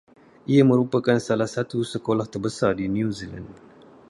Ia merupakan salah satu sekolah terbesar di New Zealand